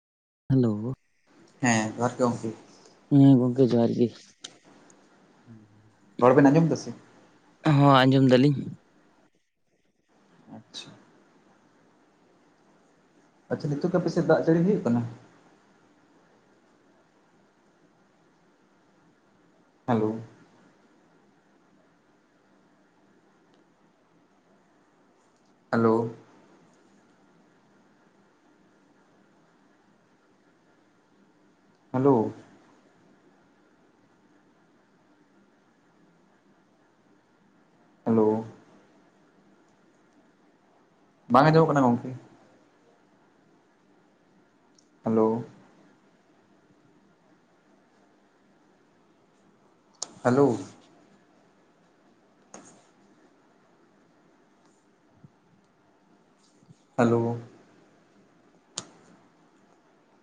Hello, ᱦᱮᱸ ᱡᱚᱦᱟᱨ ᱜᱮ ᱜᱚᱢᱠᱮ᱾ ᱦᱮᱸ ᱜᱚᱝᱠᱮ ᱡᱚᱦᱟᱨ ᱜᱤ᱾ ᱨᱚᱲ ᱵᱮᱱ ᱟᱸᱡᱚᱢ ᱫᱟ ᱥᱮ? ᱦᱚᱸ ᱟᱸᱡᱚᱢ ᱫᱟᱞᱤᱧ᱾ ᱟᱪᱪᱷᱟ ᱟᱪᱪᱷᱟ ᱱᱤᱛᱳᱜ ᱠᱤ ᱟᱯᱮ ᱥᱮᱱ ᱫᱟᱜ ᱡᱟᱹᱲᱤ ᱦᱩᱭᱩᱜ ᱠᱟᱱᱟ? ᱦᱮᱞᱳ ᱦᱮᱞᱳ ᱦᱮᱞᱳ ᱦᱮᱞᱳ ᱵᱟᱝ ᱟᱡᱚᱢ ᱚᱜ ᱠᱟᱱᱟ ᱜᱚᱝᱠᱮ᱾ Hello hello hello